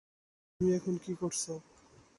তুমি এখন কি করছো?